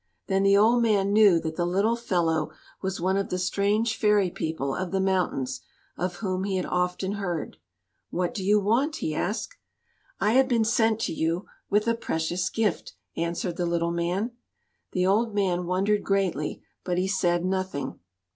Then the old man knew that the little fellow was one of the strange fairy people of the mountains, of whom he had often heard. "What do you want?" he asked. "I have been sent to you with a precious gift," answered the little man. The old man wondered greatly, but he said nothing.